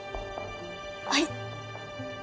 はい。